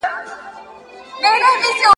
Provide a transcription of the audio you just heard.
چي سرسایې او عالمانو ته خیرات ورکوي !.